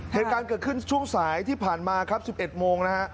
เหตุการณ์เกิดขึ้นช่วงสายที่ผ่านมาครับ๑๑โมงนะฮะ